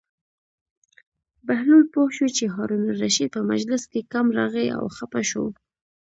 بهلول پوه شو چې هارون الرشید په مجلس کې کم راغی او خپه شو.